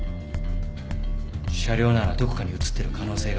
車両ならどこかに映ってる可能性がある。